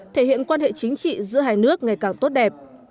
thể hiện quan hệ chính trị giữa hai nước ngày càng tốt đẹp